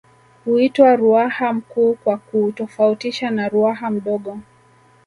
Huitwa Ruaha Mkuu kwa kuutofautisha na Ruaha Mdogo